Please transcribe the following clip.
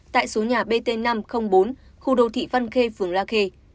tại số nhà bt năm trăm linh bốn khu đô thị văn khê phường la khê